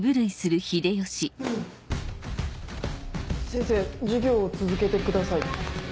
先生授業を続けてください。